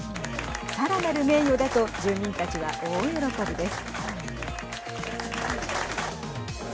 さらなる名誉だと住民たちは大喜びです。